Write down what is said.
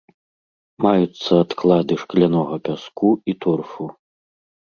Маюцца адклады шклянога пяску і торфу.